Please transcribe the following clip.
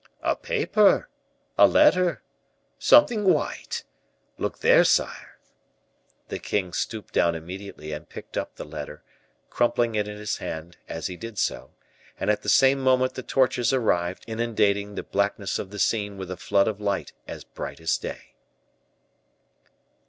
"A paper a letter something white; look there, sire." The king stooped down immediately and picked up the letter, crumpling it in his hand, as he did so; and at the same moment the torches arrived, inundating the blackness of the scene with a flood of light as bight as day.